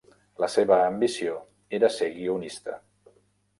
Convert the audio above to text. La seva ambició era ser guionista.